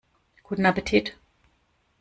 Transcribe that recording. Guten Appetit!